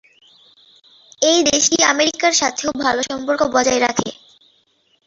এই দেশটি আমেরিকার সাথেও ভালো সম্পর্ক বজায় রাখে।